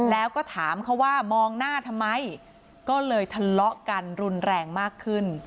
แล้วก็ถามเขาว่ามองหน้าทำไมก็เลยทะเลาะกันรุนแรงมากขึ้น